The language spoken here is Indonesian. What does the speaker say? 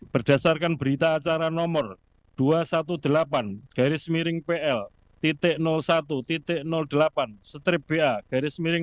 berdasarkan berita acara nomor dua ratus delapan belas pl satu delapan ba lima dua ribu dua puluh empat